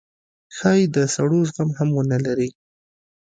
ښايي د سړو زغم هم ونه لرئ